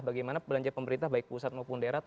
bagaimana belanja pemerintah baik pusat maupun daerah